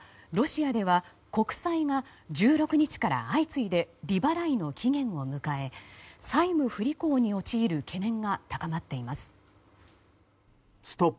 ロシアでは国債が１６日から相次いで利払いの期限を迎え債務不履行に陥る懸念が高まっています。